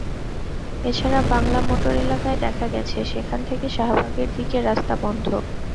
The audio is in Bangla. এছাড়া বাংলা মোটর এলাকায় দেখা গেছে সেখান থেকে শাহবাগের দিকে রাস্তা বন্ধ।